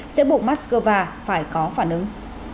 sẽ bộng moscow phải có phản ứng